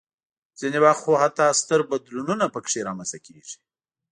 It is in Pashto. ځینې وخت خو حتی ستر بدلونونه پکې رامنځته کېږي.